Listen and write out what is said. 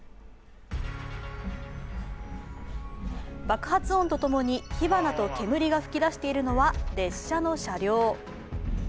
爆発音とともに火花と煙が吹き出しているのは列車の車両。